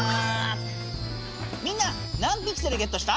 みんな何ピクセルゲットした？